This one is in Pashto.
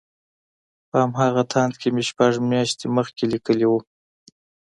په همغه تاند کې مې شپږ مياشتې مخکې ليکلي وو.